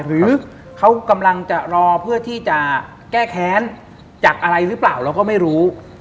หรือเขากำลังจะรอเพื่อที่จะแก้แค้นจากอะไรหรือเปล่าเราก็ไม่รู้